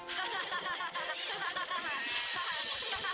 aku sangat berterima kasih pada kalian